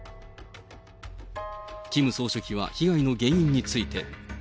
キム総書記は被害の原因について。